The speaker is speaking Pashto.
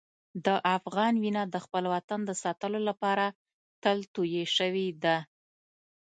د افغان وینه د خپل وطن د ساتلو لپاره تل تویې شوې ده.